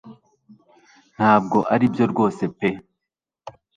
Ntabwo aribyo rwose pe